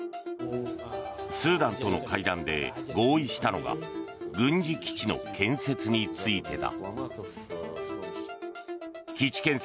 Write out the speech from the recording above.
スーダンとの会談で合意したのが軍事基地の建設についてだ。